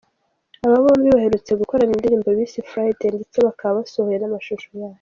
Aba bombi baherutse gukorana indirimbo bise ’Friday’ ndetse bakaba basohoye n’amashusho yayo.